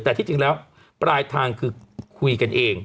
แต่ที่จริงแล้วปลายทางคือคุยกันเอง